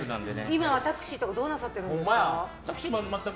今はタクシーとかどうなさってるんですか？